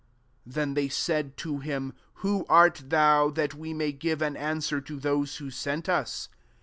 22 Then they said to him, " Who art thou ? that we may ^give an answer to those who sent us.